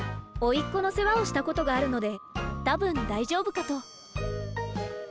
おいっ子の世話をしたことがあるので多分大丈夫かと。